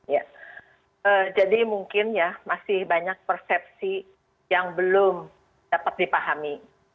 ya jadi mungkin ya masih banyak persepsi yang belum dapat dipahami